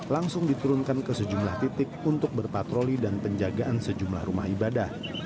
langsung diturunkan ke sejumlah titik untuk berpatroli dan penjagaan sejumlah rumah ibadah